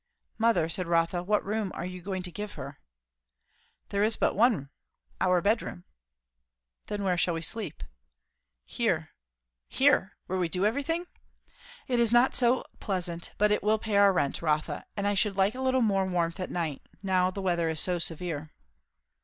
"Mother," said Rotha, "what room are you going to give her?" "There is but one; our bed room." "Then where shall we sleep?" "Here." "Here! Where we do everything! " "It is not so pleasant; but it will pay our rent, Rotha. And I should like a little more warmth at night, now the weather is so severe."